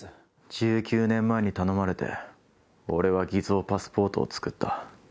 １９年前に頼まれて俺は偽造パスポートをつくった。